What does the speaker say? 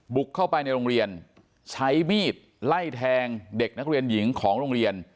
บุกเข้าไปในโรงเรียนใช้มีดไล่แทงเด็กนักเรียนหญิงของโรงเรียน